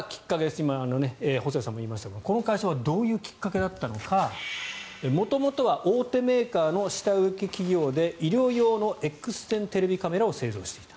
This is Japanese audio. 今、細谷さんも言いましたがこの会社はどういうきっかけだったのか元々は大手メーカーの下請け企業で医療用のＸ線テレビカメラを製造していた。